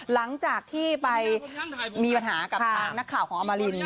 หลังจากที่ไปมีปัญหากับทางนักข่าวของอมริน